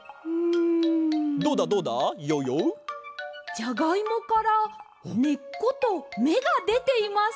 じゃがいもからねっことめがでています。